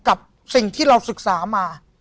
กับสิ่งที่เราศึกษามา